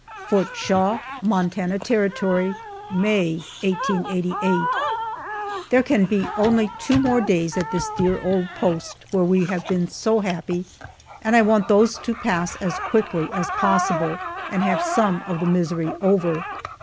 FORT SHAW, MONTANA TERRITORY, May, 1888. THERE can be only two more days at this dear old post, where we have been so happy, and I want those to pass as quickly as possible, and have some of the misery over.